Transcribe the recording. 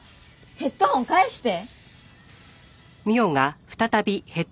ヘッドホン返して！